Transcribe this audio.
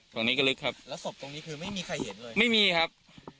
ตรงนี้ก็ลึกครับแล้วศพตรงนี้คือไม่มีใครเห็นเลยไม่มีครับ